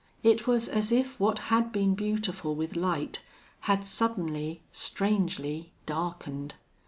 It was as if what had been beautiful with light had suddenly, strangely darkened.